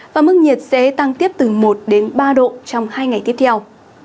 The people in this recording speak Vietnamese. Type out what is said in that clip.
và mức nhiệt sẽ tăng tiếp từ một đến ba độ trong hai ngày tiếp theo